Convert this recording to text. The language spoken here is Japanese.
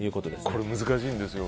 これ、難しいんですよ。